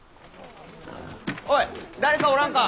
おい誰かおらんか？